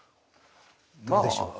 どうでしょう？